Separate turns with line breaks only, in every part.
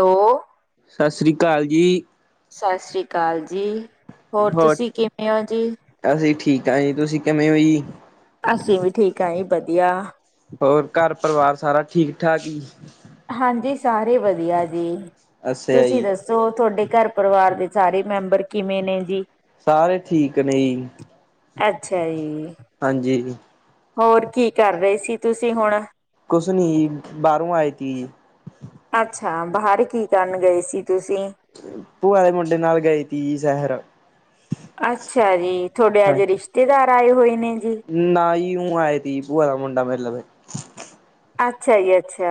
ਓ
ਸਤਿ ਸ੍ਰੀ ਅਕਾਲ ਜੀ।
ਸਤਿ ਸ੍ਰੀ ਅਕਾਲ ਜੀ, ਹੋਰ ਤੁਸੀਂ ਕਿਵੇਂ ਹੋ ਜੀ
ਅਸੀਂ ਠੀਕ ਆ ਜੀ, ਤੁਸੀਂ ਕਿਵੇਂ ਹੋ ਜੀ
ਅਸੀਂ ਵੀ ਠੀਕ ਆ ਜੀ, ਵਧੀਆ।
ਹੋਰ ਘਰ ਪਰਿਵਾਰ ਸਾਰਾ ਠੀਕ ਠਾਕ ਈ?
ਹਾਂਜੀ ਸਾਰੇ ਵਧੀਆ ਜੀ,
ਅੱਛਾ
ਤੁਸੀਂ
ਜੀ
ਦੱਸ ਸੋ ਤੁਹਾਡੇ ਘਰ ਪਰਿਵਾਰ ਦੇ ਸਾਰੇ ਮੈਂਬਰ ਕਿਵੇਂ ਨੇ ਜੀ?
ਸਾਰੇ ਠੀਕ ਨੇ ਈ।
ਅੱਛਾ ਜੀ।
ਹਾਂਜੀ ਜੀ।
ਹੋਰ ਕੀ ਕਰ ਰਹੇ ਸੀ ਤੁਸੀਂ ਹੁਣ?
ਕੁਸ ਨੀ ਈ, ਬਾਹਰੋਂ ਆਏ ਤੀ।
ਅੱਛਾ, ਬਾਹਰ ਕੀ ਕਰਨ ਗਏ ਸੀ ਤੁਸੀਂ?
ਭੂਆ ਦੇ ਮੁੰਡੇ ਨਾਲ ਗਈ ਤੀ ਸੇਹਰ।
ਅੱਛਾ ਜੀ, ਥੋਡੇ
ਹਾਂ
ਅੱਜ ਰਿਸ਼ਤੇਦਾਰ ਆਏ ਹੋਏ ਨੇ ਜੀ?
ਨਾ ਜੀ [unintelligible] ਭੂਆ ਦਾ ਮੁੰਡਾ ਮਿਲ ਲਵੇ।
ਅੱਛਾ ਜੀ ਅੱਛਾ।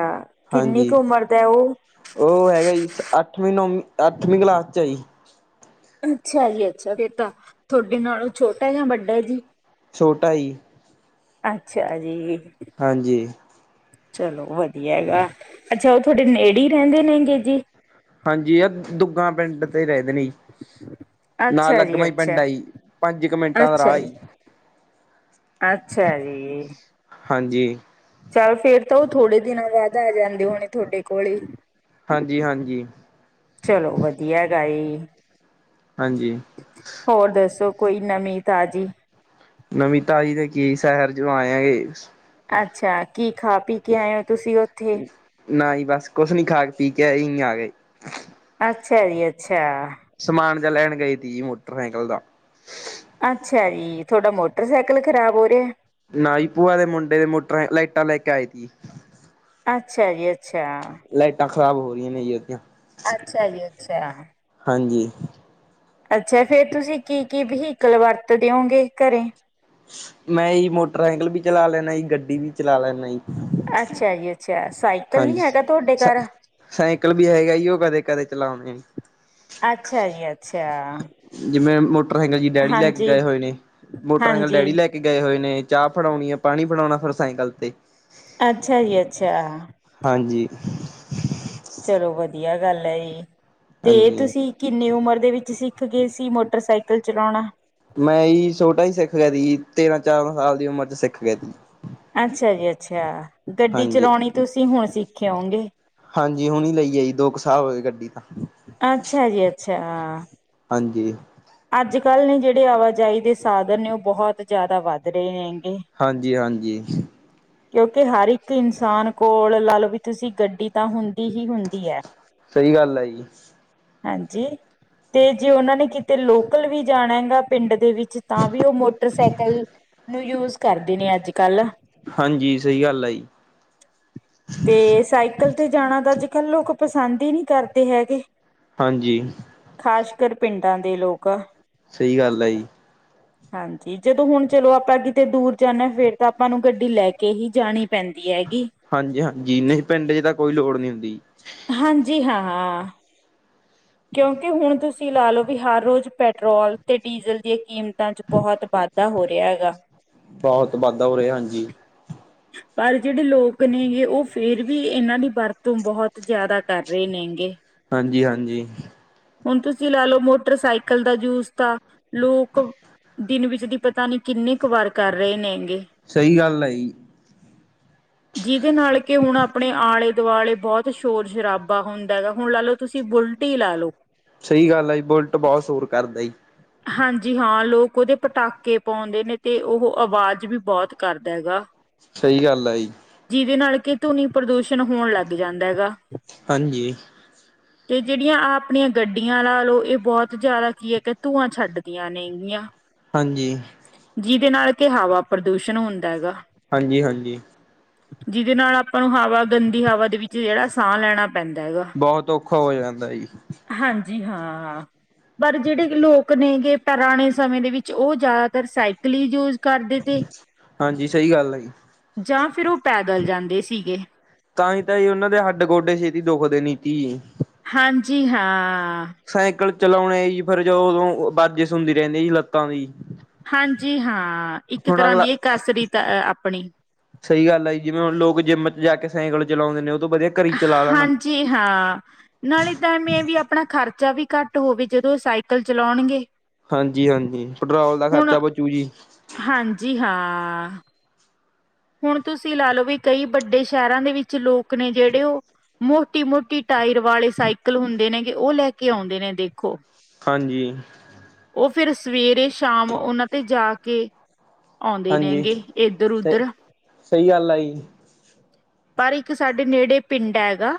ਕਿੰਨੀ
ਹਾਂਜੀ,
ਕੁ ਉਮਰ ਦਾ ਉਹ
ਉਹ ਹੈਗਾ ਜੀ ਅੱਠਵੀਂ, ਨੌਵੀਂ, ਅੱਠਵੀਂ ਕਲਾਸ ਚ ਆ ਜੀ।
ਅੱਛਾ ਜੀ ਅੱਛਾ, ਫੇਰ ਤਾਂ ਥੋਡੇ ਨਾਲੋਂ ਛੋਟਾ ਯਾ ਵੱਡਾ ਏ ਜੀ?
ਛੋਟਾ ਈ।
ਅੱਛਾ ਜੀ।
ਹਾਂਜੀ।
ਚਲੋ ਵਧੀਆ ਹੈਗਾ, ਅੱਛਾ ਉਹ ਥੋਆਡੇ ਨੇੜੇ ਈ ਰਹਿੰਦੇ ਨੇਗੇ ਜੀ?
ਹਾਂਜੀ ਅ ਦੁੱਗਾ ਪਿੰਡ। ਤੇ ਗਏ ਦੇ ਈ, ਨਾਲ
ਅੱਛਾ
ਲਗਵਾ
ਜੀ
ਈ
ਅੱਛਾ
ਪਿੰਡ ਏ ਜੀ, ਪੰਜ ਕ ਮਿੰਟਾਂ ਦਾ ਰਾਹ
ਅੱਛਾ ਜੀ
ਈ।
ਅੱਛਾ ਜੀ।
ਹਾਂਜੀ।
ਚੱਲ ਫੇਰ ਤਾਂ ਉਹ ਥੋੜੇ ਦਿਨਾਂ ਬਾਦ ਆ ਜਾਂਦੇ ਹੋਣੇ ਥੋਡੇ ਕੋਲ ਹੀ?
ਹਾਂਜੀ-ਹਾਂਜੀ।
ਚਲੋ ਵਧੀਆ ਹੈਗਾ ਏ।
ਹਾਂਜੀ।
ਹੋਰ ਦੱਸੋ ਕੋਈ ਨਵੀਂ ਤਾਜ਼ੀ?
ਨਵੀਂ ਤਾਜੀ ਦੇ ਕੀ, ਸੇਹਰ ਜੋ ਆਇਆ ਏ।
ਅੱਛਾ, ਕੀ ਖਾ ਪੀ ਕੇ ਆਏ ਹੋ ਤੁਸੀਂ ਉੱਥੇ?
ਨਾ ਹੀ ਬਸ, ਕੁਛ ਨੀ ਖਾ ਕੇ ਪੀ ਕੇ ਏਈ ਆ ਗਏ।
ਅੱਛਾ ਜੀ ਅੱਛਾ।
ਸਮਾਨ ਜਾਂ ਲੈਣ ਗਏ ਦੀ ਮੋਟਰਸਾਈਕਲ ਦਾ।
ਅੱਛਾ ਜੀ, ਥੋਡਾ ਮੋਟਰਸਾਈਕਲ ਖ਼ਰਾਬ ਹੋ ਰੇਹਾ ਏ?
ਨਾ ਹੀ, ਭੂਆ ਦੇ ਮੁੰਡੇ ਦੇ ਮੋਟਰਾਂ, ਲਾਈਟਾਂ ਲੈਕੇ ਆਏ ਤੀ।
ਅੱਛਾ ਜੀ ਅੱਛਾ।
ਲਾਈਟਾਂ ਖ਼ਰਾਬ ਹੋ ਰਹੀਆਂ ਨੇ ਜੀ ਉਹਦੀਆਂ।
ਅੱਛਾ ਜੀ ਅੱਛਾ।
ਹਾਂਜੀ।
ਅੱਛਾ, ਫੇਰ ਤੁਸੀਂ ਕੀ-ਕੀ ਵਹੀਕਲ ਵਰਤਦੇ ਹੋਂਗੇ ਘਰੇ?
ਮੈਂ ਜੀ ਮੋਟਰਸਾਈਕਲ ਵੀ ਚਲਾ ਲੈਣਾ ਜੀ, ਗੱਡੀ ਵੀ ਚਲਾ ਲੈਣਾ ਜੀ।
ਅੱਛਾ ਜੀ ਅੱਛਾ, ਸਾਈਕਲ ਨਹੀ
ਹਾਂਜੀ
ਹੈਗਾ ਤੁਹਾਡੇ
ਸ
ਘਰ?
ਸਾਈਕਲ ਵੀ ਹੈਗਾ ਜੀ, ਉਹ ਕਦੇ-ਕਦੇ ਚਲਾਉਣੇ।
ਅੱਛਾ ਜੀ ਅੱਛਾ।
ਜਿਵੇਂ ਮੋਟਰਸਾਈਕਲ ਜੀ ਡੈਡੀ ਲੈ ਕੇ
ਹਾਂਜੀ
ਗਏ ਹੋਏ ਨੇ, ਮੋਟਰਸਾਈਕਲ
ਹਾਂਜੀ
ਡੈਡੀ ਲੈ ਕੇ ਗਏ ਹੋਏ ਨੇ, ਚਾਹ ਫੜਾਉਣੀ ਹੈ, ਪਾਣੀ ਫੜਾਉਣਾ, ਫਿਰ ਸਾਈਕਲ ਤੇ।
ਅੱਛਾ ਜੀ ਅੱਛਾ।
ਹਾਂਜੀ।
ਚਲੋ ਵਧੀਆ ਗੱਲ ਹੈ ਜੀ, ਤੇ
ਹਾਂਜੀ
ਤੁਸੀਂ ਕਿੰਨੀ ਉਮਰ ਦੇ ਵਿੱਚ ਸਿਖ ਗਏ ਸੀ ਮੋਟਰਸਾਈਕਲ ਚਲਾਨਾ।
ਮੈਂ ੲਹੀ ਛੋਟਾ ਹੀ ਸਿਖ ਗਿਆ ਸੀ ਤੇਰਾਂ-ਚੌਦਾਂ ਸਾਲ ਦੀ ਉਮਰ ਚ ਸਿਖ ਗਿਆ ਸੀ।
ਅੱਛਾ ਜੀ ਅੱਛਾ ਗੱਡੀ
ਹਾਂਜੀ
ਚਲਾਉਣੀ ਤੁਸੀਂ ਹੁਣ ਸਿੱਖੇ ਹੋਓਗੇੰ?
ਹਾਂਜੀ ਹੁਣ ਲਈ ਏ ਜੀ ਦੋ ਕੁ ਸਾਲ ਹੋਏ ਗੱਡੀ ਤਾ।
ਅੱਛਾ ਜੀ ਅੱਛਾ।
ਹਾਂਜੀ।
ਅੱਜ ਕੱਲ੍ਹ ਨੇ ਜਿਹੜੇ ਆਵਾਜਾਈ ਦੇ ਸਾਧਨ ਨੇ ਉਹ ਬਹੁਤ ਜ਼ਿਆਦਾ ਵੱਧ ਰਹੇ ਨੇ ਹੈਗੇ।
ਹਾਂਜੀ-ਹਾਂਜੀ
ਕਿਉਂਕਿ ਹਰ ਇੱਕ ਇਨਸਾਨ ਕੋਲ ਲਾ ਲਓ ਵੀ ਤੁਸੀਂ ਗੱਡੀ ਤਾਂ ਹੁੰਦੀ ਹੀ ਹੁੰਦੀ ਹੈ।
ਸਹੀ ਗੱਲ ਹੈ ਜੀ।
ਹਾਂਜੀ ਤੇ ਜੇ ਉਹਨਾ ਨੇ ਕਿਤੇ ਲੋਕਲ ਵੀ ਜਾਣਾ ਹੈਗਾ ਪਿੰਡ ਦੇ ਵਿੱਚ ਤਾਂ ਵੀ ਉਹ ਮੋਟਰਸਾਈਕਲ ਨੂੰ ਯੂਜ ਕਰਦੇ ਨੇ ਅੱਜ ਕੱਲ।
ਜੀ, ਸਹੀ ਗੱਲ ਆ ਜੀ।
ਤੇ ਸਾਈਕਲ ਤੇ ਜਾਣਾ ਤਾਂ ਅੱਜ ਕੱਲ ਲੋਕ ਪਸੰਦ ਹੀ ਨੀ ਕਰਦੇ ਹੈਗੇ।
ਹਾਂਜੀ।
ਖ਼ਾਸ ਕਰ ਪਿੰਡਾਂ ਦੇ ਲੋਕ।
ਸਹੀ ਗੱਲ ਏ ਜੀ।
ਹਾਂਜੀ ਜਦੋਂ ਹੁਣ ਚਲੋ ਆਪਾਂ ਕਿਤੇ ਦੂਰ ਜਾਨਾ ਫੇਰ ਤਾਂ ਆਪਾਂ ਨੂੰ ਗੱਡੀ ਲੈ ਕੇ ਹੀ ਜਾਨੀ ਪੈਂਦੀ ਹੈਗੀ।
ਹਾਂਜੀ-ਹਾਂਜੀ ਨਈ ਪਿੰਡ ਚ ਤਾਂ ਕੋਈ ਲੋੜ ਨਹੀ ਹੁੰਦੀ।
ਹਾਂਜੀ, ਹਾਂ-ਹਾਂ। ਕਿਉਂਕਿ ਹੁਣ ਤੁਸੀਂ ਲਾ ਲਓ ਵੀ ਹਰ ਰੋਜ਼ ਪੈਟਰੋਲ ਤੇ ਡੀਜ਼ਲ ਦੀਆਂ ਕੀਮਤ ਤਾਂ ਚ ਬੋਹਤ ਵਾਧਾ ਹੋ ਰਿਹਾ ਹੈਗਾ।
ਬਹੁਤ ਵਾਧਾ ਹੋ ਰਿਹਾ ਹਾਂਜੀ
ਪਰ ਜਿਹੜੇ ਲੋਕ ਨੇਗੇ ਉਹ ਫੇਰ ਵੀ ਇਹਨਾਂ ਦੀ ਵਰਤੋਂ ਬਹੁਤ ਜ਼ਿਆਦਾ ਕਰ ਰਹੇ ਨੇਗੇ।
ਹਾਂਜੀ-ਹਾਂਜੀ।
ਹੁਣ ਤੁਸੀ ਲਾ ਲੋ ਮੋਟਰਸਾਈਕਲ ਦਾ ਯੂਜ ਤਾਂ ਲੋਕ ਦਿਨ ਵਿੱਚ ਦੀ ਪਤਾ ਨਹੀਂ ਕਿੰਨੀ ਕੁ ਵਾਰ ਕਰ ਰਹੇ ਨੇਗੇ।
ਸਹੀ ਗੱਲ ਏ ਈ।
ਜਿਹਦੇ ਨਾਲ ਕਿ ਹੁਣ ਆਪਣੇ ਆਲੇ ਦੁਆਲੇ ਬੋਹਤ ਸ਼ੋਰ ਸ਼ਰਾਬਾ ਹੁੰਦਾ ਹੈਗਾ ਹੁਣ ਲਾ ਲਓ ਤੁਸੀਂ ਬੁਲ ਤੀ ਲਾ ਲੋ।
ਸਹੀ ਗੱਲ ਆ ਜੀ ਬੁਲਟ ਬਹੁਤ ਸ਼ੋਰ ਕਰਦਾ ਜੀ।
ਹਾਂਜੀ ਹਾਂ ਲੋਕ ਉਹਦੇ ਪਟਾਕੇ ਪਾਉਂਦੇ ਨੇ ਤੇ ਉਹ ਅਵਾਜ਼ ਵੀ ਬਹੁਤ ਕਰਦਾ ਹੈਗਾ।
ਸਹੀ ਗੱਲ ਆ ਜੀ।
ਜਿਹਦੇ ਨਾਲ ਕਿ ਧੁਨੀ ਪ੍ਰਦੂਸ਼ਣ ਹੋਣ ਲਗ ਜਾਂਦਾ ਹੈਗਾ।
ਹਾਂਜੀ।
ਤੇ ਜਿਹੜੀਆਂ ਆਪਣੀਆਂ ਗੱਡੀਆਂ ਲਾ ਲੋ, ਇਹ ਬਹੁਤ ਜਾਦਾ ਕੀ ਹੈ ਕਿ ਧੂਆਂ ਛੱਡਦੀਆਂ ਨੇ ਗੀਆਂ।
ਹਾਂਜੀ।
ਜਿਦੇ ਨਾਲ ਕਿ ਹਵਾ ਪ੍ਰਦੂਸ਼ਣ ਹੁੰਦਾ ਹੈਗਾ।
ਹਾਂਜੀ-ਹਾਂਜੀ
ਜਿਦੇ ਨਾਲ ਆਪਾਂ ਨੂੰ ਹਵਾ ਗੰਦੀ ਹਵਾ ਦੇ ਵਿੱਚ ਜਿਹੜਾ ਸਾਹ ਲੈਣਾ ਪੈਂਦਾ ਹੈਗਾ।
ਬਹੁਤ ਔਖਾ ਹੋ ਜਾਂਦਾ ਜੀ।
ਹਾਂਜੀ ਹਾਂ ਪਰ ਜਿਹੜੇ ਲੋਕ ਨੇਗੇ ਪੁਰਾਣੇ ਸਮੇਂ ਦੇ ਵਿੱਚ ਉਹ ਜ਼ਿਆਦਾਤਰ ਸਾਈਕਲ ਹੀ ਯੂਜ ਕਰਦੇ। ਤੇ
ਹਾਂਜੀ ਸਹੀ ਗੱਲ ਹੈ ਜੀ
ਜਾਂ ਫੇਰ ਉਹ ਪੈਦਲ ਜਾਂਦੇ ਸੀਗੇ।
ਤਾਂ ਹੀ ਜੀ ਉਹਨਾਂ ਦੇ ਹੱਡ ਗੋਡੇ ਛੇਤੀ ਦੁੱਖਦੇ ਨੀਤੀ।
ਹਾਂਜੀ ਹਾਂ।
ਸਾਈਕਲ ਚਲਾਉਣੇ ਜੀ ਫਿਰ ਜੋਂ ਉਦੋਂ ਬਰਜਿਸ ਹੁੰਦੀ ਰਹਿੰਦੀ ਜੀ ਲੱਤਾਂ ਦੀ।
ਹਾਂਜੀ ਹਾਂ ਇੱਕ
ਹੁਣ
ਤਰ੍ਹਾਂ
ਅਗਲਾ
ਦੀ ਹੈ ਕਸਰੀਤ ਹੈ ਆਪਣੀ।
ਸਹੀ ਗੱਲ ਹੈ ਜੀ ਜਿਵੇਂ ਹੁਣ ਲੋਗ ਜਿੰਮ ਚ ਜਾ ਕੇ ਸਾਈਕਲ ਚਲਾਉਂਦੇ ਨੇ ਉਹ ਤੋਂ ਵਧੀਆ ਘਰ ਹੀ ਚਲਾ ਲੈਣ।
ਜੀ ਹਾਂ। ਨਾਲੇ ਤਾਂ ਮੇ ਵੀ ਆਪਣਾ ਖਰਚਾ ਵੀ ਘੱਟ ਹੋਵੇ ਜੇੜੇ ਸਾਈਕਲ ਚਲੋਣਗੇ।
ਹਾਂਜੀ-ਹਾਂਜੀ ਪੈਟਰੋਲ ਦਾ ਖਰਚਾ ਬਚੂ ਜੀ।
ਹਾਂਜੀ, ਹਾਂ ਆ ਹੁਣ ਤੁਸੀਂ ਲਾ ਲਓ ਵੀ ਕਈ ਵੱਡੇ ਸ਼ਹਿਰਾਂ ਦੇ ਵਿੱਚ ਲੋਕ ਨੇ ਜਿਹੜੇ ਔਹ ਮੋਟੀ- ਮੋਟੀ ਟਾਇਰ ਵਾਲੇ ਸਾਈਕਲ ਹੁੰਦੇ ਨੇ ਗੇ, ਉਹ ਲੈ ਕੇ ਆਉਂਦੇ ਨੇ ਦੇਖੋ
ਹਾਂਜੀ।
ਔਹ ਫਿਰ ਸਵੇਰੇ ਸ਼ਾਮ ਔਨਾਂ ਤੇ ਜਾ ਕੇ ਆਉਂਦੇ
ਹਾਂਜੀ,
ਨੇਗੇ ਇੱਧਰ
ਅ
ਉਧਰ
ਸਹੀ ਗੱਲ ਆ ਜੀ।
ਪਰ ਇੱਕ ਸਾਡੇ ਨੇੜੇ ਪਿੰਡ ਹੈਗਾ।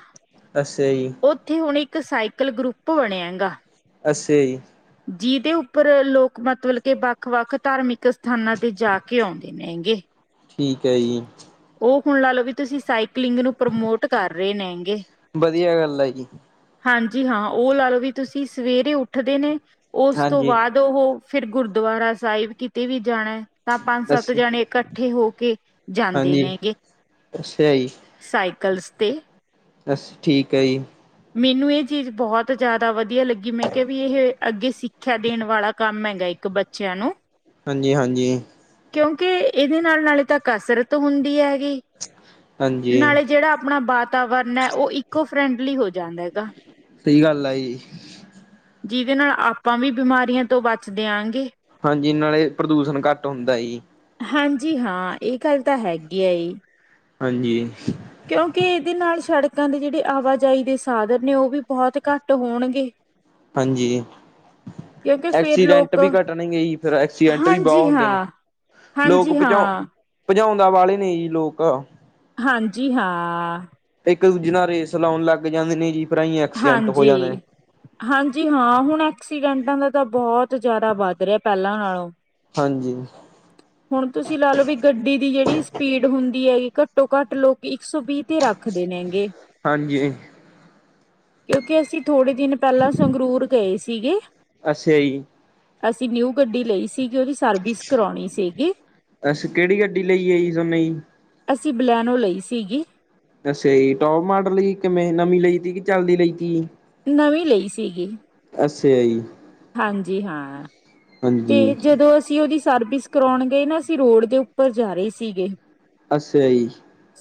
ਅੱਸਾ ਜੀ।
ਔਓਥੇ ਹੁਣ ਇੱਕ ਸਾਈਕਲ ਗਰੁੱਪ ਬਣਿਆ ਗਾ।
ਅੱਸਾ ਜੀ।
ਜਿਹਦੇ ਉੱਪਰ ਲੋਕ ਮਤਲਬ ਕੇ ਵੱਖ ਵੱਖ ਧਾਰਮਿਕ ਸਥਾਨਾਂ ਤੇ ਜਾ ਕੇ ਆਉਂਦੇ ਮੈਂਗੇ
ਠੀਕ ਹੈ ਜੀ।
ਔਹ ਹੁਣ ਲਾ ਲੋ ਵੀ ਤੁਸੀਂ ਸਾਈਕਲਿੰਗ ਨੂੰ ਪ੍ਰਮੋਟ ਕਰ ਰਹੇ ਨੇ।
ਬਧੀਆ ਗੱਲ ਹੈ ਜੀ।
ਹਾਂਜੀ ਹਾਂ ਔਹ ਲਾ ਲਓ ਵੀ ਤੁਸੀਂ ਸਵੇਰੇ ਉੱਠਦੇ ਨੇ ਉਸ ਤੋਂ
ਹਾਂਜੀ
ਬਾਅਦ ਤੋ ਔ ਹੋ ਫਿਰ ਗੁਰਦੁਆਰਾ ਸਾਹਿਬ ਕਿਤੇ ਵੀ ਜਾਣਾ ਹੈ, ਤਾਂ ਪੰਜ ਸੱਤ
ਅੱਛਾ
ਜਾਣੇ ਇਕੱਠੇ ਹੋ ਕੇ ਜਾਂਦੇ
ਹਾਂਜੀ
ਨੇ,
ਅੱਛਾ
ਸਾਈਕਲਸ ਤੇ।
ਬਸ ਠੀਕ ਹੈ ਜੀ।
ਮੇਨੂੰ ਏਹ ਚੀਜ਼ ਬਹੁਤ ਜ਼ਿਆਦਾ ਵਧੀਆ ਲੱਗੀ ਮੈਂ ਕਿਹਾ ਵੀ ਇਹ ਅੱਗੇ ਸਿੱਖਿਆ ਦੇਣ ਵਾਲਾ ਕੰਮ ਹੈਗਾ ਇੱਕ ਬੱਚਿਆਂ ਨੂੰ-
ਹਾਂਜੀ -ਹਾਂਜੀ।
ਕਿਉਂਕਿ ੲਦੇ ਨਾਲ ਨਾਲੇ ਤਾਂ ਕਸਰਤ ਹੁੰਦੀ ਹੈਗੀ।
ਹਾਂਜੀ
ਨਾਲੇ ਜੇੜਾ ਅਪਣਾ ਬਾਤਾਵਰਨ ਐ, ਓ ਇਕੋ ਫਰੈਂਡਲੀ ਹੋ ਜਾਂਦਾ ਹੈਗਾ।
ਸਹੀ ਗੱਲ ਆ ਜੀ।
ਜਿਦੇ ਨਾਲ ਆਪਾਂ ਵੀ ਬਿਮਾਰੀਆਂ ਤੋਂ ਬਚਦੇ ਆਾਂਗੇ।
ਹਾਂਜੀ ਨਾਲੇ ਪ੍ਰਦੂਸ਼ਣ ਘੱਟ ਹੁੰਦਾ ਜੀ।
ਹਾਂਜੀ ਹਾਂ ਇਹ ਗੱਲ ਤਾਂ ਹੈਗੀ ਹੈ।
ਹਾਂਜੀ।
ਕਿਉਂਕਿ ਇਦੇ ਨਾਲ ਸੜਕਾਂ ਦੇ ਜਿਹੜੇ ਆਵਾਜਾਈ ਦੇ ਸਾਧਨ ਨੇ ਔਹ ਵੀ ਬਹੁਤ ਘੱਟ ਹੋਣਗੇ।
ਹਾਂਜੀ।
ਕਿਉਂਕਿ ਫੇਰ
ਐਕਸੀਡੈਂਟ
ਲੋਕ
ਵੀ ਘੱਟਣ ਗਏ ਜੀ, ਫਿਰ ਐਕਸੀਡੈਂਟ ਵੀ ਬਹੁਤ
ਹਾਂਜੀ
ਹੁੰਦੇ ਨੇ।
ਹਾਂ
ਲੋਕ
ਹਾਂਜੀ
ਭਜਾਉ
ਹਾਂ।
ਭਜਾਉਂਦਾ ਵਾਲੇ ਨਹੀਂ ਜੀ ਲੋਕ-
ਹਾਂਜੀ ਹਾਂ ਆ।
ਇੱਕ ਦੂਜੇ ਨਾਲ ਰੇਸ ਲਾਉਣ ਲੱਗ ਜਾਂਦੇ ਨੇ ਜੀ। ਫਿਰ ਆਈ ਐਕਸੀਡੈਂਟ ਹੋ
ਹਾਂਜੀ।
ਜਾਂਦੇ ਨੇ
ਹਾਂਜੀ ਹਾਂ ਹੁਣ ਐਕਸੀਡੈਂਟਾਂ ਦਾ ਤਾਂ ਬਹੁਤ ਜ਼ਿਆਦਾ ਵੱਧ ਰਿਹਾ ਪਹਿਲਾਂ ਨਾਲੋਂ
ਹਾਂਜੀ।
ਹੁਣ ਤੁਸੀ ਲਾ ਲੋ ਵੀ ਗੱਡੀ ਦੀ ਜੇੜੀ ਸਪੀਡ ਹੁੰਦੀ ਹੈਗੀ ਘੱਟੋ ਘੱਟ ਲੋਕ ਇੱਕ ਸੌ ਵੀਹ ਤੇ ਰੱਖਦੇ ਨੇਗੇ।
ਹਾਂਜੀ।
ਕਿਉਂਕਿ ਅਸੀਂ ਥੋੜੇ ਦਿਨ ਪਹਿਲਾਂ ਸੰਗਰੂਰ ਗਏ ਸੀਗੇ।
ਅਸਾ ਯੀ।
ਅਸੀਂ ਨਿਊ ਗੱਡੀ ਲਈ ਸੀਗੀ, ਔਦੀ ਸਰਵਿਸ ਕਰਾਉਣੀ ਸੀਗੀ।
ਅਛ ਕਿਹੜੀ ਗੱਡੀ ਲਈ ਆ ਜੀ ਸੋਨੇ ਯੀ।
ਅਸੀ ਬਲੈਨੋ ਲਈ ਸੀਗੀ।
ਦੱਸੇਯਾ ਈ ਟੋਪ ਮਾਡਲ ਹੀ ਕਿਵੇਂ ਨਵੀਂ ਲਈ ਤੀ ਕਿ ਚੱਲਦੀ ਲਈ ਤੀ
ਨਵੀਂ ਲਈ ਸੀਗੀ।
ਅੱਸਾ ਜੀ।
ਹਾਂਜੀ ਹਾਂ।
ਹਾਂਜੀ
ਤੇ ਜਦੋਂ ਅਸੀਂ ਔਹਦੀ ਸਰਵਿਸ ਕਰਾਉਣ ਗਏ ਨਾ ਅਸੀਂ ਰੋਡ ਦੇ ਉੱਪਰ ਜਾ ਰਹੇ ਸੀਗੇ।
ਅੱਸਾ ਜੀ।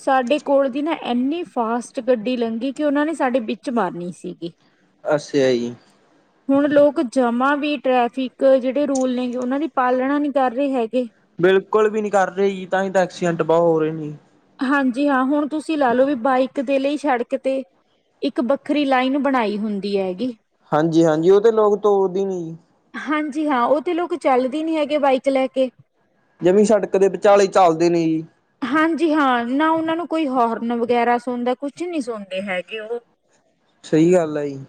ਸਾਡੇ ਕੋਲ ਦੀ ਨਾ ਇੰਨੀ ਫਾਸਟ ਗੱਡੀ ਲੰਘੀ ਕਿ ਔਹਨਾਂ ਨੇ ਸਾਡੇ ਵਿੱਚ ਮਾਰਨੀ ਸੀਗੀ।
ਅੱਛਾ ਜੀ
ਹੁਣ ਲੋਕ ਜਮਾਂ ਵੀ ਟ੍ਰੈਫਿਕ ਜਿ ਜਿਹੜੇ ਰੂਲ ਨਹੀਂ ਉਹਨਾਂ ਦੀ ਪਾਲਣਾ ਨਹੀਂ ਕਰ ਰਹੇ ਹੈਗੇ।
ਬਿਲਕੁਲ ਵੀ ਨਹੀਂ ਕਰ ਰਹੇ ਜੀ ਤਾਂ ਹੀ ਤਾਂ ਐਕਸੀਡੈਂਟ ਬਹੁਤ ਹੋ ਰਹੇ ਨੇ।
ਹਾਂਜੀ ਹਾਂ ਹੁਣ ਤੁਸੀਂ ਲਾ ਲਓ ਵੀ ਬਾਈਕ ਦੇ ਲਈ ਸੜਕ ਤੇ ਇੱਕ ਵੱਖਰੀ ਲਾਈਨ ਬਣਾਈ ਹੁੰਦੀ ਹੈਗੀ।
ਹਾਂਜੀ ਹਾਂਜੀ ਉਦੇ ਨਾ ਤੋੜਦੇ ਨੀ ਜੀ
ਹਾਂਜੀ ਹਾਂ ਉਹ ਤੇ ਲੋਕ ਚੱਲਦੇ ਨੀ ਹੈਗੇ ਬਾਈਕ ਲੈ ਕੇ
ਜਮੀ ਸੜਕ ਦੇ ਵਿਚਾਲੇ ਚਲਦੇ ਨੇ ਜੀ
ਹਾਂਜੀ ਹਾਂ ਨਾ ਉਹਨਾਂ ਨੂੰ ਕੋਈ ਹੋਰਨ ਵਗੈਰਾ ਸੁਣਦਾ ਕੁਛ ਨਹੀਂ ਸੁਣਦੇ ਹੈਗੇ ਉਹ
ਸਹੀ ਗੱਲ ਆ ਜੀ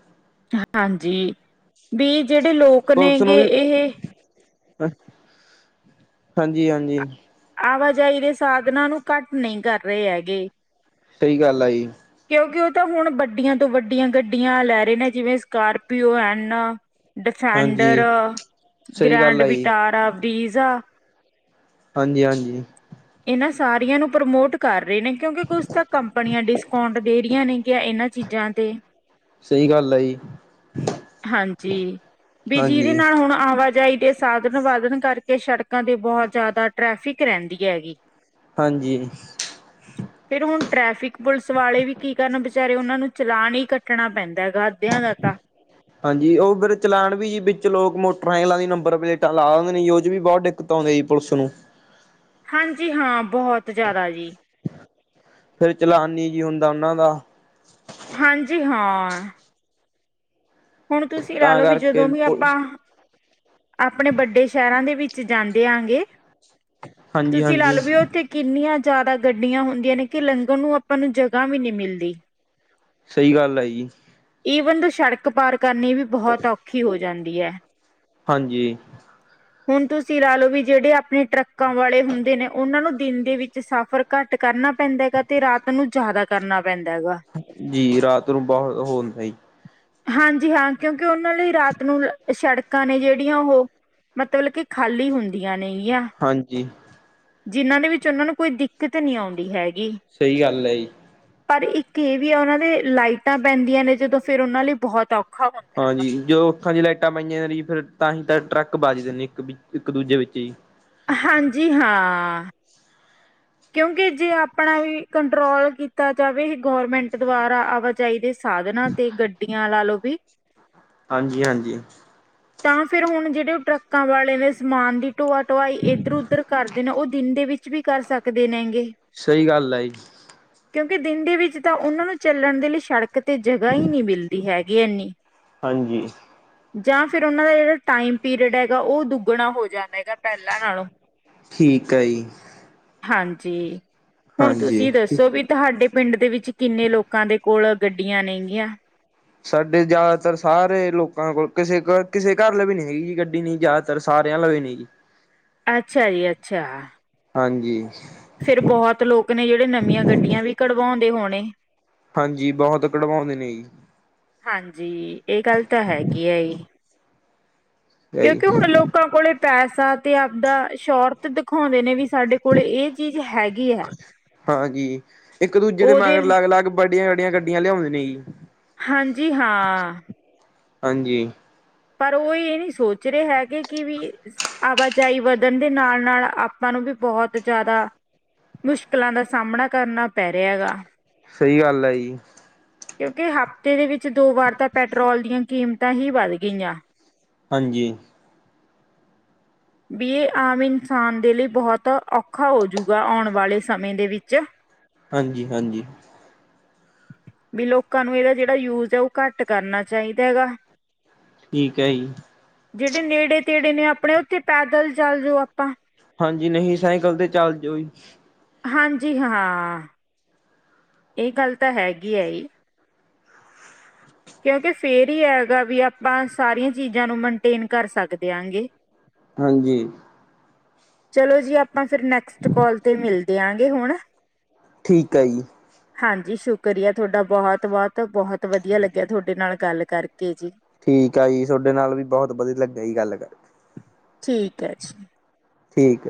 ਹਾਂਜੀ ਵੀ ਜਿਹੜੇ ਲੋਕ ਨੇ
ਪੁਲਿਸ ਨੂੰ ਵੀ
ਇਹ
ਹਾਂਜੀ ਹਾਂਜੀ
ਆਵਾਜਾਈ ਦੇ ਸਾਧਨਾਂ ਨੂੰ ਘੱਟ ਨਹੀਂ ਕਰ ਰਹੇ ਹੈਗੇ
ਸਹੀ ਗੱਲ ਆ ਜੀ
ਕਿਉਂਕਿ ਓ ਤਾਂ ਹੁਣ ਬੱਡੀਆਂ ਤੋਂ ਵੱਡੀਆਂ ਗੱਡੀਆਂ ਲੈ ਰੇ ਨੇ ਜਿਵੇਂ ਸਕਾਰਪੀਓ ਐੱਨ। ਡਿਫੈਂਡਰ
ਹਾਂਜੀ। ਸਹੀ ਗੱਲ
ਗ੍ਰੈਂਡ
ਆ ਜੀ
ਵਿਟਾਰਾ ਬੀਰਜਾ
ਹਾਂਜੀ ਹਾਂਜੀ
ਇਹਨਾਂ ਸਾਰੀਆਂ ਨੂੰ ਪ੍ਰਮੋਟ ਕਰ ਰਹੇ ਨੇ ਕਿਉਂਕਿ ਕੁਛ ਤਾਂ ਕੰਪਨੀਆਂ ਡਿਸ ਕਾਊਂਟ ਦੇ ਰਹੀਆਂ ਨੇ ਇਹਨਾਂ ਚੀਜ਼ਾਂ ਤੇ
ਸਹੀ ਗੱਲ ਹੈ ਜੀ
ਹਾਂਜੀ ਵੀ ਜਿਹਦੇ
ਹਾਂਜੀ।
ਨਾਲ ਹੁਣ ਆਵਾਜਾਈ ਦੇ ਸਾਧਨ ਵਧਨ ਕਰਕੇ ਸੜਕਾਂ ਤੇ ਬਹੁਤ ਜ਼ਿਆਦਾ ਟ੍ਰੈਫਿਕ ਰਹਿੰਦੀ ਹੈਗੀ
ਹਾਂਜੀ।
ਫਿਰ ਹੁਣ ਟ੍ਰੈਫਿਕ ਪੁਲਿਸ ਵਾਲੇ ਵੀ ਕੀ ਕਰਨ ਵਿਚਾਰੇ ਉਹਨਾਂ ਨੂੰ ਚਲਾਨ ਹੀ ਕੱਟਣਾ ਪੈਂਦਾ ਹੈਗਾ ਅੱਧਿਆਂ ਦਾ ਤਾਂ
[inaudible] ਹਾਂਜੀ ਉਹ ਫਿਰ ਚਲਾਨ ਵੀ ਜੀ ਵਿੱਚ ਲੋਕ ਮੋਟਰ ਲਾਈ ਦੀ ਨੰਬਰ ਪਲੇਟਾਂ ਲਾ ਦੇ ਜੀ ਉਹ ਚ ਵੀ ਬਹੁਤ [unintelligible] ਪੁਲਿਸ ਨੂੰ
ਹਾਂਜੀ ਹਾਂ ਬਹੁਤ ਜ਼ਿਆਦਾ ਜੀ
ਫਿਰ ਚਲਾਨ ਨਹੀਂ ਜੀ ਹੁੰਦਾ ਉਹਨਾਂ ਦਾ
ਹਾਂਜੀ ਹਾਂ ਹੁਣ ਤੁਸੀਂ ਲਾ
ਤਾਂ
ਲਓ ਵੀ ਜਦੋਂ
ਕਰਕੇ
ਵੀ ਆਪਾਂ
ਪੁਲਿਸ
ਆਪਣੇ ਵੱਡੇ ਸ਼ਹਿਰਾਂ ਦੇ ਵਿੱਚ ਜਾਂਦੇ ਆਗੇ
ਹਾਂਜੀ
ਤੁਸੀਂ ਲਾ
ਹਾਂਜੀ
ਲਓ ਵੀ ਉੱਥੇ ਕਿੰਨੀਆਂ ਜ਼ਿਆਦਾ ਗੱਡੀਆਂ ਹੁੰਦੀਆਂ ਨੇ ਕਿ ਲੰਘਣ ਨੂੰ ਆਪਾਂ ਨੂੰ ਜਗ੍ਹਾ ਵੀ ਨਹੀਂ ਮਿਲਦੀ
ਸਹੀ ਗੱਲ ਹੈ ਜੀ
ਈਵਨ ਦ ਸੜਕ ਪਾਰ ਕਰਨੀ ਵੀ ਬਹੁਤ ਔਖੀ ਹੋ ਜਾਂਦੀ ਹੈ।
ਹਾਂਜੀ
ਹੁਣ ਤੁਸੀਂ ਲਾ ਲੋੋ ਵੀ ਜਿਹੜੇ ਆਪਣੇ ਟਰੱਕਾਂ ਵਾਲੇ ਹੁੰਦੇ ਨੇ ਉਹਨਾ ਨੂੰ ਦਿਨ ਦੇ ਵੀ ਸਫ਼ਰ ਘੱਟ ਕਰਨਾ ਪੈਂਦਾ ਹੈਗਾ ਤੇ ਰਾਤ ਨੂੰ ਜ਼ਿਆਦਾ ਕਰਨਾ ਪੈਂਦਾ ਹੈਗਾ।
ਜੀ ਰਾਤ ਨੂੰ ਬਹੁਤ ਹੁੰਦਾ ਹੀ
ਹਾਂਜੀ ਹਾਂ ਕਿਉਂਕਿ ਉਹਨਾਂ ਲਈ ਰਾਤ ਨੂੰ ਸੜਕਾਂ ਨੇ ਜਿਹੜੀਆਂ ਉਹ ਮਤਲਬ ਕਿ ਖਾਲੀ ਹੁੰਦੀਆਂ ਨੇ ਗੀਆਂ।
ਹਾਂਜੀ
ਜਿਨ੍ਹਾਂ ਦੇ ਵਿੱਚ ਉਹਨਾਂ ਨੂੰ ਕੋਈ ਦਿੱਕਤ ਨੀ ਆਉਂਦੀ ਹੈਗੀ
ਸਹੀ ਗੱਲ ਹੈ ਜੀ
ਪਰ ਇੱਕ ਇਹ ਵੀ ਆ ਉਹ ਦੇ ਲਾਈਟਾਂ ਪੈਂਦੀਆਂ ਨੇ ਜਦੋਂ ਫਿਰ ਉਹਨਾ ਲਈ ਬਹੁਤ ਔਖਾ ਵਾ।
ਹਾਂਜੀ ਜੋ ਅੱਖਾਂ ਦੀ ਲਾਈਟਾਂ ਪਾਈਆਂ ਜਾਂਦੀ ਫਿਰ ਤਾਂ ਹੀ ਤਾਂ ਟਰੱਕ ਵਜ ਦਿੰਦੇ ਇੱਕ ਇੱਕ ਦੂਜੇ ਵਿੱਚ ਜੀ
ਹਾਂਜੀ, ਹਾਂ। ਕਿਉਂਕਿ ਜੇ ਆਪਣਾ ਵੀ ਕੰਟਰੋਲ ਕੀਤਾ ਜਾਵੇ ਗੌਰਮੈਂਟ ਦੁਆਰਾ ਆਵਾ ਚਾਹੀਦੇ ਸਾਧਨਾਂ ਤੇ ਗੱਡੀਆਂ ਲਾ ਲੋ ਵੀ
ਹਾਂਜੀ ਹਾਂਜੀ
ਤਾਂ ਫਿਰ ਹੁਣ ਜਿਹੜੇ ਉਹ ਟਰੱਕਾਂ ਵਾਲੇ ਨੇ ਸਮਾਨ ਦੀ ਢੋਆ ਢੋਆਈ ਇਧਰ ਉਧਰ ਕਰਦੇ ਨੇ ਉਹ ਦਿਨ ਦੇ ਵਿੱਚ ਵੀ ਕਰ ਸਕਦੇ ਨੇ ਗੇ
ਸਹੀ ਗੱਲ [inaudible]
ਕਿਉਂਕਿ ਦਿਨ ਦੇ ਵਿੱਚ ਤਾ ਉਨਾਂ ਨੂੰ ਚੱਲਣ ਦੇ ਲਈ ਸ਼ੜਕ ਤੇ ਜਗਾ ਈ ਨੀ ਮਿਲਦੀ ਹੈਗੀ ਇੰਨੀ।
ਹਾਂਜੀ।
ਜਾਂ ਫਿਰ ਉਹ ਦਾ ਜਿਹੜਾ ਟਾਈਮ ਪੀਰੀਅਡ ਹੈਗਾ ਉਹ ਦੁੱਗਣਾ ਹੋ ਜਾਂਦਾ ਹੈਗਾ ਪਹਿਲਾਂ ਨਾਲੋਂ।
ਠੀਕ ਆ ਜੀ।
ਹਾਂਜੀ, ਹੁਨ
ਹਾਂਜੀ
ਤੁਸੀਂ
ਠੀਕ।
ਦੱਸੋ ਵੀ ਤੁਹਾਡੇ ਪਿੰਡ ਦੇ ਵਿੱਚ ਕਿੰਨੇ ਲੋਕਾਂ ਦੇ ਕੋਲ ਗੱਡੀਆਂ ਨੇਗੀਆਂ।
ਸਾਡੇ ਜਾਦਾਤਰ ਸਾਰੇ ਲੋਕਾਂ ਕੋਲ ਕਿਸੇ, ਕਿਸੇ ਘੱਰਲੇ ਵੀ ਨੀ ਹੈਗੀ ਜੀ ਗੱਡੀ ਨੀ ਜਾ ਤਰ ਸਾਰੇ ਆਲੋਂ ਵੀ ਨੀ ਜੀ।
ਅੱਛਾ ਜੀ, ਅੱਛਾ।
ਹਾਂਜੀ।
ਫੇਰ, ਬੋਤ ਲੋਕ ਨੇ ਜੇੜੇ ਨਵੀਆਂ ਗੱਡੀਆਂ ਵੀ ਕਢਵੋਂਦੇ ਹੋਣੇ
ਹਾਂਜੀ ਬਹੁਤ ਕਢਵਾਉਂਦੇ ਨੇ ਜੀ।
ਹਾਂਜੀ ਇਹ ਗੱਲ ਤਾਂ ਹੈਗੀ ਹੈ ਹੀ।
ਜੀ
ਕਿਉਂਕਿ ਹੁਣ ਲੋਕਾਂ ਕੋਲੇ ਪੈਸਾ ਤੇ ਆਪਦਾ ਸ਼ੋਰਤ ਦਿਖਾਉਂਦੇ ਨੇ। ਸਾਡੇ ਕੋਲ ਇਹ ਚੀਜ਼ ਹੈਗੀ ਹੈ।
ਹਾਜੀ, ਇੱਕ ਦੂਜੇ ਦੇ
ਉਹਦੇ
ਮਗਰ
ਲ-
ਲੱਗ, ਲੱਗ ਵੱਡੀਆਂ ਵਡੀਆਂ ਗੱਡੀਆਂ ਲਿਉ ਲੈਨੀ ਜੀ।
ਹਾਂਜੀ ਹਾਂ।
ਹਾਂਜੀ।
ਪਰ ਉਹ ਇਹ ਨੀ ਸੋਚ ਰਹੇ ਹੈਗੇ ਕਿ ਵੀ। ਆਵਾਜਾਈ ਵਦਨ ਦੇ ਨਾਲ, ਨਾਲ ਆਪਾ ਨੂੰ ਵੀ ਬੋਹਤ ਜਾਦਾ ਮੁਸ਼ਕਿਲਾਂ ਦਾ ਸਾਹਮਣਾ ਕਰਨਾ ਪੈ ਰਿਹਾ ਹੈਗਾ।
ਸਈ ਗੱਲ ਐ ਜੀ।
ਕਿਉਂਕਿ ਹਫ਼ਤੇ ਦੇ ਵਿੱਚ ਦੋ ਵਾਰ ਤਾਂ ਪੈਟਰੋਲ ਦੀਆਂ ਕੀਮਤਾਂ ਹੀ ਵੱਧ ਗਈਆਂ।
ਹਾਂਜੀ।
ਵੀ ਇਹ ਆਮ ਇਨਸਾਨ ਦੇ ਲਈ ਬਹੁਤ ਔਖਾ ਹੋਜੂਗਾ ਆਉਣ ਵਾਲੇ ਸਮੇਂ ਦੇ ਵਿੱਚ।
ਹਾਂਜੀ ਹਾਂਜੀ।
ਵੀ ਲੋਕਾਂ ਨੂੰ ਏਦਾ, ਜੇੜਾ ਯੂਜ ਆ ਓ ਘੱਟ ਕਰਨਾ ਚਾਹੀਦੈ ਹੈਗਾ
ਠੀਕ ਹੈ ਜੀ।
ਜਿਹੜੇ ਨੇੜੇ ਤੇੜੇ ਨੇ ਆਪਣੇ ਉੱਥੇ ਪੈਦਲ ਚੱਲ ਜੋਓ।
ਹਾਂਜੀ, ਨਹੀ ਸਾਈਕਲ ਤੇ ਚੱਲ ਜੇ ਓਈ
ਹਾਂਜੀ, ਹਾਂ, ਏ ਗੱਲ ਤਾ ਹੈਗੀ ਐਈ। ਕਯੋਕਿ ਫੇਰ ਈ ਹੈਗਾ ਵੀ ਆਪਾ ਸਾਰੀਆਂ ਚੀਜ਼ਾਂ ਨੂੰ ਮਨਟੇਨ ਕੱਰ ਸੱਕ ਦੇਆਂਗੇ।
ਹਾਂਜੀ।
ਚਲੋ ਜੀ ਆਪਾਂ ਫਿਰ ਨੈਕਸਟ ਕਾਲ ਤੇ ਮਿਲਦੇ ਆ ਗ ਹੁਣ।
ਠੀਕ ਹੈ ਜੀ।
ਹਾਂਜੀ, ਸ਼ੁਕਰ ਆ ਥੋੱਡਾ ਬੋਹਤ, ਬੋਹਤ, ਬੋਹਤ ਵਦੀਆ ਲੱਗਿਆ ਥੋਡੇ ਨਾਲ ਗੱਲ ਕਾਰਕੇ ਜੀ।
ਠੀਕ ਆ ਜੀ, ਥੋਡੇ ਨਾਲ ਵੀ ਬੋਤ ਬਦੀਆ ਲੱਗਾ ਜੀ ਗਾੱਲ ਕਾਰਕੇ।
ਠੀਕ ਐ ਜੀ।
ਠੀਕ।